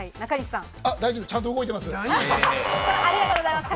大丈夫、ちゃんと動いてます。